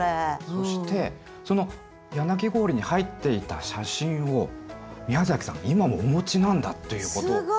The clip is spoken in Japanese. そしてその柳行李に入っていた写真を宮崎さん今もお持ちなんだっていうことなんです。